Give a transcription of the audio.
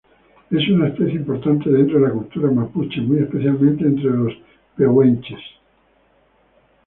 Es una especie importante dentro de la cultura mapuche, muy especialmente entre los pehuenches.